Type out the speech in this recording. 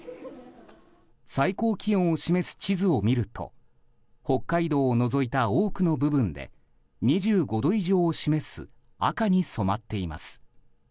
最高気温を示す地図を見ると北海道を除いた多くの部分で２５度以上を示す赤に染まっています。